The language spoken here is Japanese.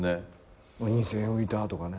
２，０００円浮いたとかね。